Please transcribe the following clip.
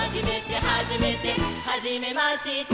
「はじめまして」